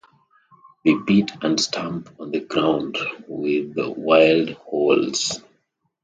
They beat and stamp on the ground with wild howls.